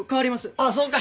あそうか。